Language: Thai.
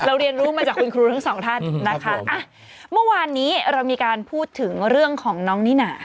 เรียนรู้มาจากคุณครูทั้งสองท่านนะคะอ่ะเมื่อวานนี้เรามีการพูดถึงเรื่องของน้องนิน่า